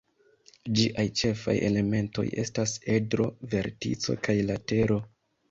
Ĝiaj ĉefaj elementoj estas: edro, vertico kaj latero.